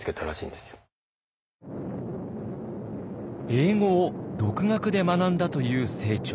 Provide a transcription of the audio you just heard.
英語を独学で学んだという清張。